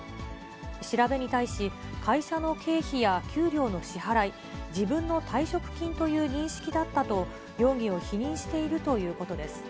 調べに対し、会社の経費や給料の支払い、自分の退職金という認識だったと、容疑を否認しているということです。